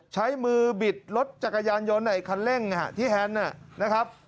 ใช้มือบิดรถจักรยานยนต์คันเร่งที่แฮนด์นะครับ